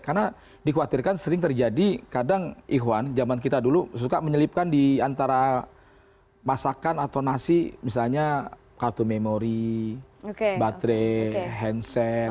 karena dikhawatirkan sering terjadi kadang ikhwan zaman kita dulu suka menyelipkan diantara masakan atau nasi misalnya kartu memori baterai handset